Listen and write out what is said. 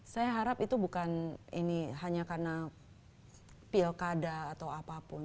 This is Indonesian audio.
saya harap itu bukan ini hanya karena pilkada atau apapun